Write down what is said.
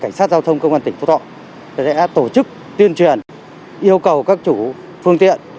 cảnh sát giao thông công an tỉnh phú thọ sẽ tổ chức tuyên truyền yêu cầu các chủ phương tiện